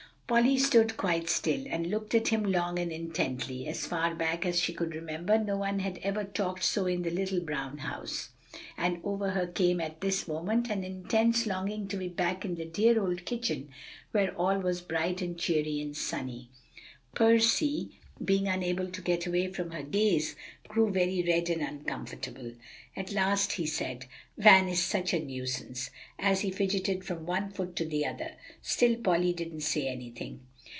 Polly stood quite still, and looked at him long and intently. As far back as she could remember no one had ever talked so in The Little Brown House! and over her came at this moment an intense longing to be back in the dear old kitchen, where all was bright and cheery and sunny. Percy, being unable to get away from her gaze, grew very red and uncomfortable. At last he said, "Van is such a nuisance," as he fidgeted from one foot to the other. Still Polly didn't say anything.